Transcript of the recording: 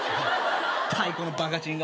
太鼓のバカちんが。